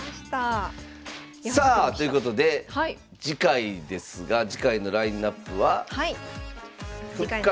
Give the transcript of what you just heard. さあということで次回ですが次回のラインナップは「復活！